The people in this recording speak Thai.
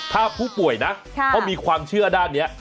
ถ้าผู้ป่วยนะเขามีความเชื่อด้านนี้